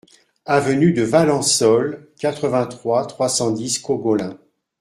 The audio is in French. Avenue de Valensole, quatre-vingt-trois, trois cent dix Cogolin